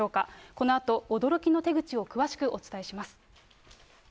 このあと驚きの手口を詳しくお伝えします。